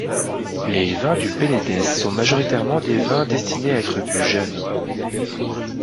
Les vins du penedès sont majoritairement des vins destinés à être bus jeunes.